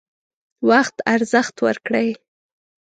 وخت ارزښت ورکړئ